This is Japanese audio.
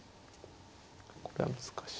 これは難しい。